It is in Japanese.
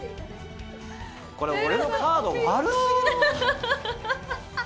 これ、俺のカード悪すぎる！